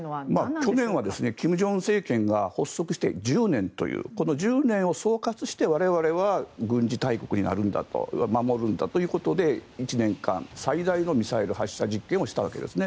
去年は金正恩政権が発足して１０年というこの１０年を総括して我々は軍事大国になるんだと守るんだということで１年間最大のミサイル発射実験をしたわけですね。